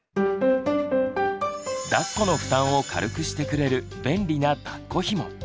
だっこの負担を軽くしてくれる便利なだっこひも。